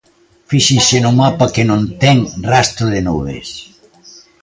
Fíxense no mapa, que non ten rastro de nubes.